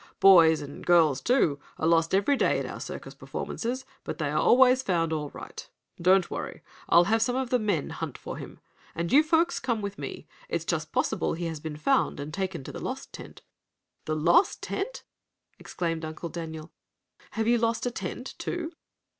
"Boys, and girls too, are lost every day at our circus performances, but they are always found all right. Don't worry. I'll have some of the men hunt for him. And you folks come with me. It's just possible he has been found and taken to the lost tent." "The lost tent!" exclaimed Uncle Daniel. "Have you lost a tent, too?"